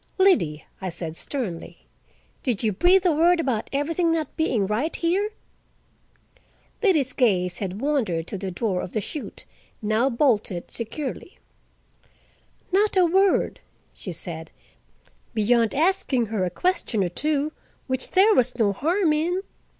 "Liddy," I said sternly, "did you breathe a word about everything not being right here?" Liddy's gaze had wandered to the door of the chute, now bolted securely. "Not a word," she said, "beyond asking her a question or two, which there was no harm in.